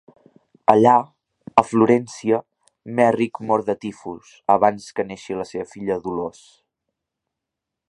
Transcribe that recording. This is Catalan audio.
Allà, a Florència, Merrick mor de tifus abans que neixi la seva filla Dolors.